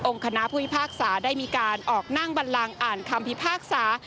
คณะผู้พิพากษาได้มีการออกนั่งบันลังอ่านคำพิพากษา